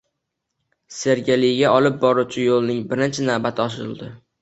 Sergeliga olib boruvchi yo‘lning birinchi navbati ochildi